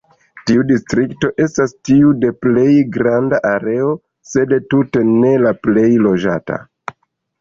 Tiu distrikto estas tiu de plej granda areo, sed tute ne la plej loĝata.